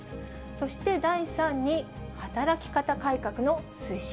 そして第３に、働き方改革の推進。